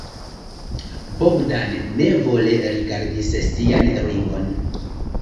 Bogdan nevole rigardis sian ringon.